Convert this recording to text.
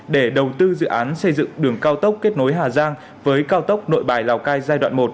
để đầu tư dự án xây dựng đường cao tốc kết nối hà giang với cao tốc nội bài lào cai giai đoạn một